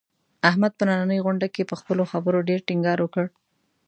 احمد په نننۍ غونډه کې، په خپلو خبرو ډېر ټینګار وکړ.